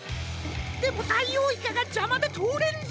でもダイオウイカがじゃまでとおれんぞ。